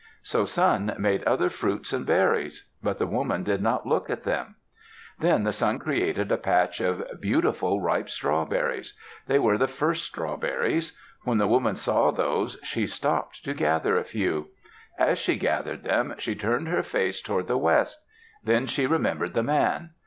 So Sun made other fruits and berries. But the woman did not look at them. Then Sun created a patch of beautiful ripe strawberries. They were the first strawberries. When the woman saw those, she stopped to gather a few. As she gathered them, she turned her face toward the west. Then she remembered the man.